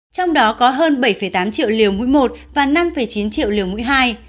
trong đó có hơn bảy tám triệu liều mũi một và năm chín triệu liều mũi hai